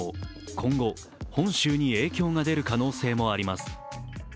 今後、本州に影響が出る可能性もあります。